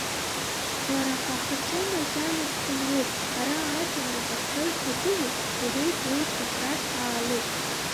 Уара ҳа ҳҿы макьана ԥхынроуп, ара аӡынра ҳашԥаҩҭагылеи, – иҳәеит еицыз рахьтә Аалықә.